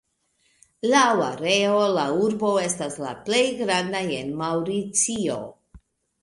Laŭ areo la urbo estas la plej granda en Maŭricio.